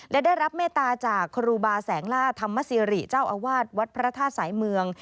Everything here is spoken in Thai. และได้รับเมตตาจากครูบาแสงล่าธรรมสิริเจ้าอาวาสวัดพระธาตุสายเมือง